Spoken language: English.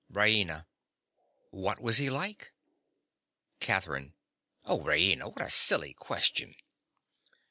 RAINA. What was he like? CATHERINE. Oh, Raina, what a silly question!